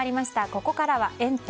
ここからはエンタ！。